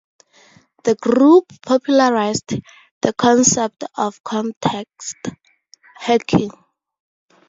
The group popularized the concept of "context hacking".